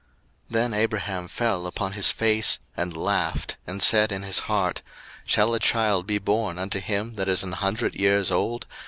01:017:017 Then Abraham fell upon his face, and laughed, and said in his heart, Shall a child be born unto him that is an hundred years old?